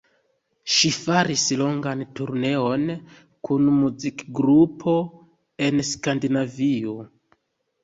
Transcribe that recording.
Ŝi faris longan turneon kun muzikgrupo en Skandinavio.